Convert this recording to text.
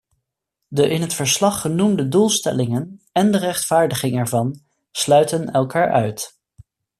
De in het verslag genoemde doelstellingen en de rechtvaardiging ervan sluiten elkaar uit.